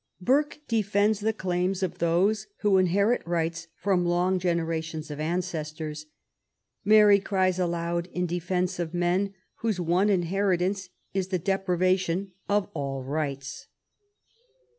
Burke defends the claims of those who inherit rights from long generations of ancestors ; Mary cries aloud in defence of men whose one inheri tance is the deprivation of all rights.